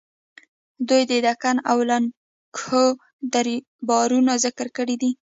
دوی د دکن او لکنهو د دربارونو ذکر کړی دی.